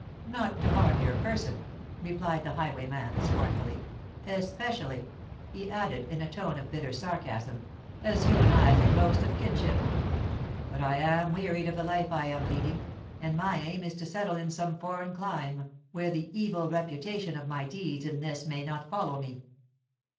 "Not to harm your person," replied the highwayman scornfully: "especially," he added, in a tone of bitter sarcasm, "as you and I can boast of kinship. But I am wearied of the life I am leading—and my aim is to settle in some foreign clime, where the evil reputation of my deeds in this may not follow me.